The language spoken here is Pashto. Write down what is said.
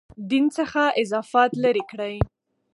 دین څخه اضافات لرې کړي.